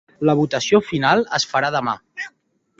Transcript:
La votació final es farà demà.